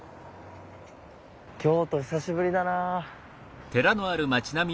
京都久しぶりだな。